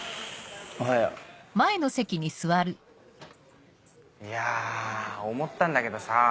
おはよう。いや思ったんだけどさぁ。